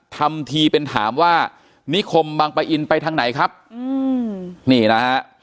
ทำทีเป็นถามว่านิคมบางปะอินไปทางไหนครับอืมนี่นะฮะ